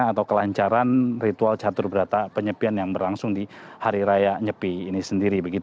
atau kelancaran ritual catur berata penyepian yang berlangsung di hari raya nyepi ini sendiri